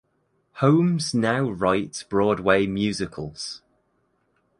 Holmes now writes Broadway musicals.